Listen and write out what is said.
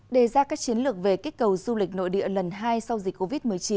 đề ra các chiến lược về kích cầu du lịch nội địa lần hai sau dịch covid một mươi chín